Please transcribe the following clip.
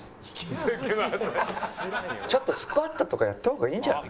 ちょっとスクワットとかやった方がいいんじゃない？